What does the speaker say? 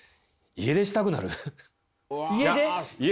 家出したくなる？